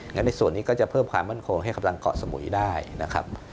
ในส่วนนี้ก็จะเพิ่มความมั่นคงให้กำลังเกาะสมุยได้นะครับ